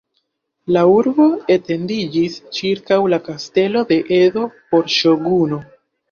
La urbo etendiĝis ĉirkaŭ la kastelo de Edo por ŝoguno.